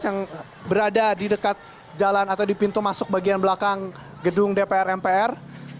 yang berada di dekat jalan atau di pintu masuk bagian belakang gedung dpr mpr